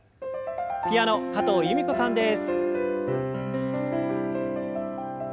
ピアノ加藤由美子さんです。